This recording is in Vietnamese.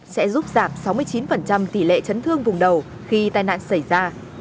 sẽ giúp giảm sáu mươi chín tỷ lệ chấn thương vùng đầu khi tai nạn xảy ra